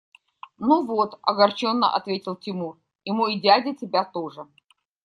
– Ну вот, – огорченно ответил Тимур, – и мой дядя тебя тоже!